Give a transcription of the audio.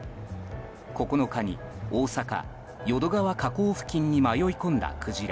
９日に、大阪・淀川河口付近に迷い込んだクジラ。